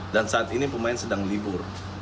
dan saat ini pemain sedang libur